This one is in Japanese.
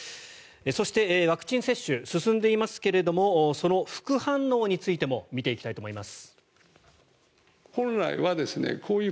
そして、ワクチン接種進んでいますけどもその副反応についても見ていきたいと思います。